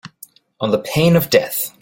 On pain of death.